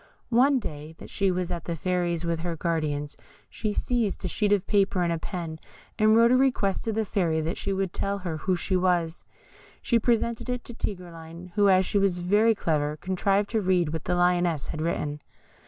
One day that she was at the Fairy's with her guardians, she seized a sheet of paper and a pen, and wrote a request to the Fairy that she would tell her who she was. She presented it to Tigreline, who, as she was very clever, contrived to read what the Lioness had written.